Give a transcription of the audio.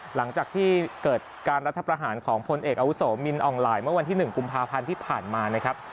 หลังจากที่เกิดการรัฐประหารของพลเอกอาวุโสมินอ่องหลายเมื่อวันที่๑กุมภาพันธ์ที่ผ่านมานะครับ